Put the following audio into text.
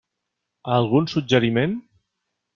Algun suggeriment?